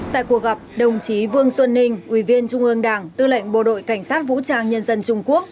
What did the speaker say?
tại cuộc gặp đồng chí vương xuân ninh ủy viên trung ương đảng tư lệnh bộ đội cảnh sát vũ trang nhân dân trung quốc